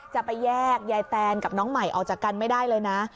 จะไปแยกยายแตนกับน้องใหม่ออกจากกันไม่ได้เลยนะ